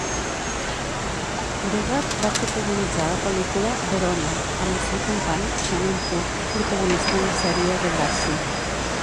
Bregar va protagonitzar la pel·lícula "Verona" amb el seu company Shannon Kook protagonista en la sèrie Degrassi.